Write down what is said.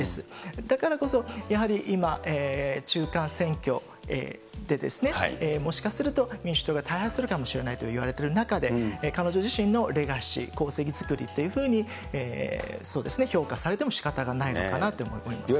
だからこそ、やはり今、中間選挙で、もしかすると民主党が大敗するかもしれないといわれている中で、彼女自身のレガシー、功績作りというふうに評価されてもしかたがないのかなと思います。